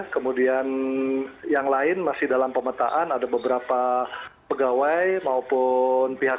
kemudian yang lain masih dalam pemetaan ada beberapa pegawai maupun pihak